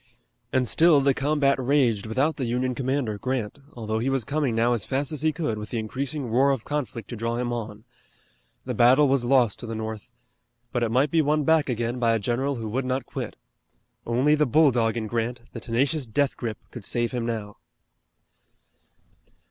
And still the combat raged without the Union commander, Grant, although he was coming now as fast as he could with the increasing roar of conflict to draw him on. The battle was lost to the North. But it might be won back again by a general who would not quit. Only the bulldog in Grant, the tenacious death grip, could save him now.